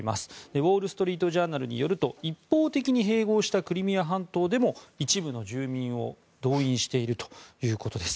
ウォール・ストリート・ジャーナルによると一方的に併合したクリミア半島でも一部の住民を動員しているということです。